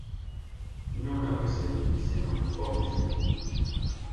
Non é o que se di senón como se di.